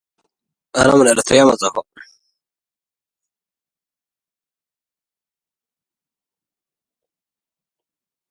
Overall, the sermon demonstrates a persuasive and engaging oratorical style.